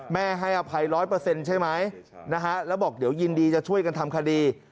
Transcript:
ให้อภัย๑๐๐ใช่ไหมนะฮะแล้วบอกเดี๋ยวยินดีจะช่วยกันทำคดี